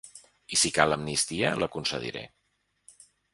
I si cal amnistia, la concediré.